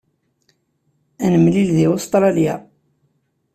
Ad nemlil deg Ustṛalya.